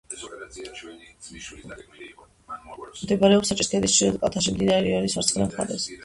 მდებარეობს რაჭის ქედის ჩრდილოეთ კალთაზე, მდინარე რიონის მარცხენა მხარეს.